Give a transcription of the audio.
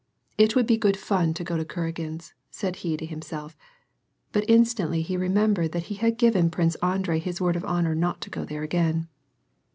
"It would be good fun to go to Kuragin's," said he to himself, but instantly he remembered that he had given Prince Andrei his word of honor not to go there again.